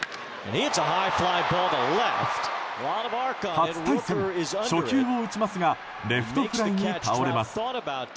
初対戦、初球を打ちますがレフトフライに倒れます。